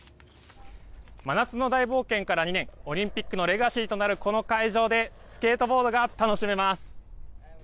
真夏の大冒険から２年オリンピックのレガシーとなるこの会場でスケートボードが楽しめます。